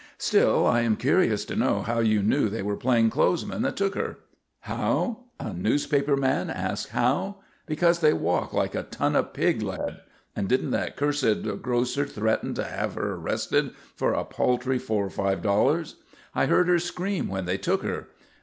"Still I am curious to know how you knew they were plain clothes men that took her?" "How? A newspaper man ask how? Because they walk like a ton of pig lead. And didn't that cursed grocer threaten to have her arrested for a paltry four or five dollars? I heard her scream when they took her.